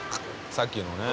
さっきのね。